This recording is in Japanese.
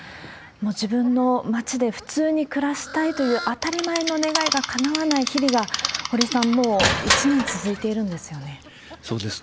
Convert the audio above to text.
自分の町で普通に暮らしたいという当たり前の願いがかなわない日々が、堀さん、もう１年続いているんですよね。